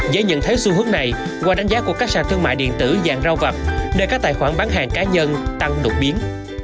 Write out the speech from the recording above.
dễ nhận thấy xu hướng này qua đánh giá của các sàn thương mại điện tử dạng rau vặt nơi các tài khoản bán hàng cá nhân tăng đột biến